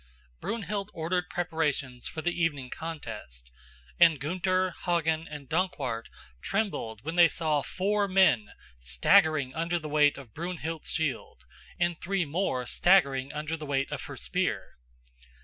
Brunhild ordered preparations for the evening contest, and Gunther, Hagen and Dankwart trembled when they saw four men staggering under the weight of Brunhild's shield and three more staggering under the weight of her spear.